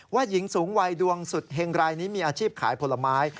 หญิงสูงวัยดวงสุดเฮงรายนี้มีอาชีพขายผลไม้